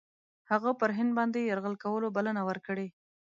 هغه پر هند باندي یرغل کولو بلنه ورکړې.